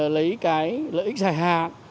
lợi ích dài hạn